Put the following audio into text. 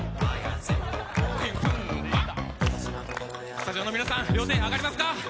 スタジオの皆さん、両手上がりますか？